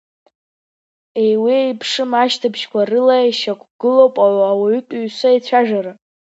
Еиуеиԥшым ашьҭыбжьқәа рыла ишьақәгылоуп ауаҩытәыҩса ицәажәара.